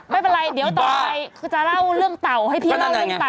ไม่เป็นไรเดี๋ยวต่อไปคือจะเล่าเรื่องเต่าให้พี่เล่าเรื่องเต่า